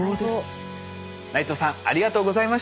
内藤さんありがとうございました。